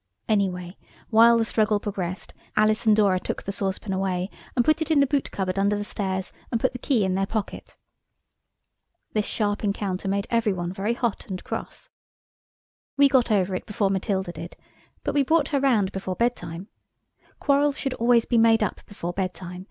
Anyway, while the struggle progressed, Alice and Dora took the saucepan away and put it in the boot cupboard under the stairs and put the key in their pocket. This sharp encounter made every one very hot and cross. We got over it before Matilda did, but we brought her round before bedtime. Quarrels should always be made up before bedtime.